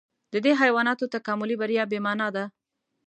د دې حیواناتو تکاملي بریا بې مانا ده.